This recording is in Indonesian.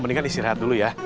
mendingan istirahat dulu ya